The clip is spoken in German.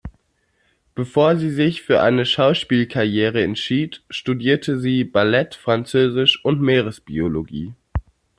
Bevor sie sich für eine Schauspielkarriere entschied, studierte sie Ballett, Französisch und Meeresbiologie.